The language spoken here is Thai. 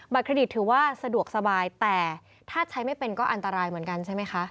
เครดิตถือว่าสะดวกสบายแต่ถ้าใช้ไม่เป็นก็อันตรายเหมือนกันใช่ไหมคะ